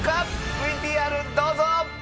ＶＴＲどうぞ！